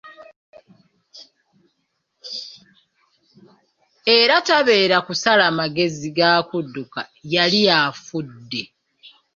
Era tabeera kusala magezi ga kudduka yali afudde.